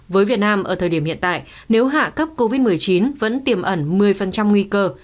với việt nam ở thời điểm hiện tại nếu hạ cấp covid một mươi chín vẫn tiềm ẩn một mươi nguy cơ